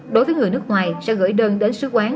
đối với người nước ngoài sẽ gửi đơn đến sứ quán